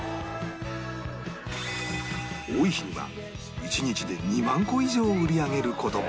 多い日には１日で２万個以上売り上げる事も